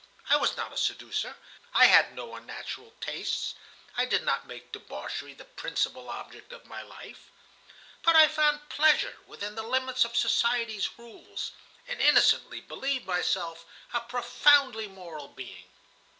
I was not a seducer, I had no unnatural tastes, I did not make debauchery the principal object of my life; but I found pleasure within the limits of society's rules, and innocently believed myself a profoundly moral being.